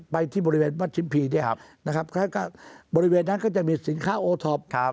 ไปที่บริเวณวัดชิมพรีนั้นก็จะมีสินค้าโอทอพใช่